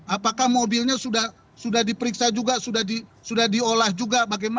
apakah mobilnya sudah diperiksa juga sudah diolah juga